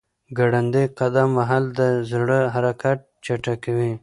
ګړندی قدم وهل د زړه حرکت چټکوي.